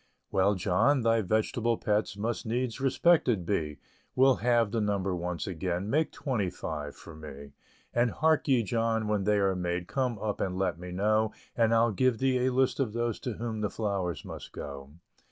"Well, John, thy vegetable pets Must needs respected be; We'll halve the number once again Make twenty five for me. And hark ye, John, when they are made Come up and let me know; And I'll give thee a list of those To whom the flowers must go."